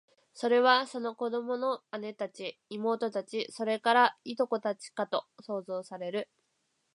それは、その子供の姉たち、妹たち、それから、従姉妹たちかと想像される